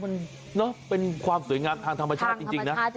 มันเป็นความสวยงามทางธรรมชาติจริงนะ